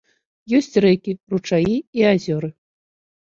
Ёсць рэкі, ручаі і азёры.